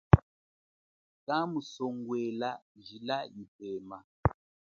Kamusongwela jila yipema.